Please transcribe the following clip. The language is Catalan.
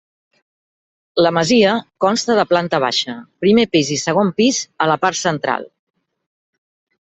La masia consta de planta baixa, primer pis i segon pis a la part central.